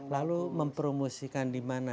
lalu mempromosikan di mana